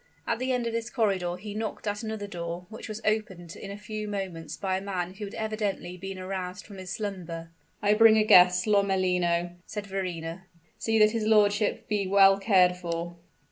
At the end of this corridor he knocked at another door, which was opened in a few moments by a man who had evidently been aroused from his slumber. "I bring a guest, Lomellino," said Verrina. "See that his lordship be well cared for."